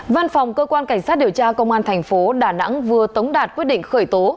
văn phòng cơ quan cảnh sát điều tra công an thành phố đà nẵng vừa tống đạt quyết định khởi tố